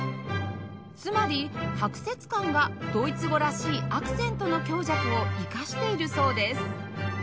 つまり拍節感がドイツ語らしいアクセントの強弱を生かしているそうです